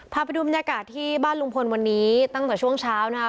พาไปดูบรรยากาศที่บ้านลุงพลวันนี้ตั้งแต่ช่วงเช้านะคะ